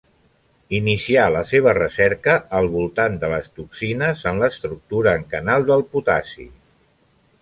Inicià la seva recerca al voltant de les toxines en l'estructura en canal del potassi.